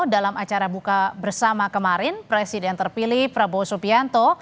dalam acara buka bersama kemarin presiden terpilih prabowo subianto